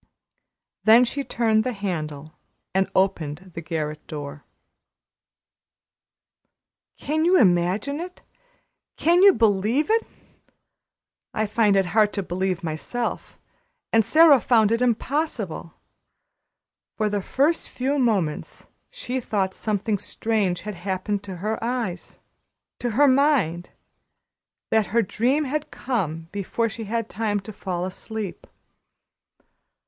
Then she turned the handle and opened the garret door. Can you imagine it can you believe it? I find it hard to believe it myself. And Sara found it impossible; for the first few moments she thought something strange had happened to her eyes to her mind that the dream had come before she had had time to fall asleep.